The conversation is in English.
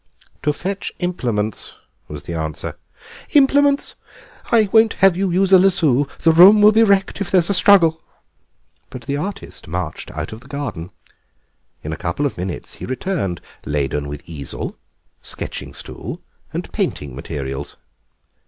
"To fetch implements," was the answer. "Implements? I won't have you use a lasso. The room will be wrecked if there's a struggle." But the artist marched out of the garden. In a couple of minutes he returned, laden with easel, sketching stool, and painting materials.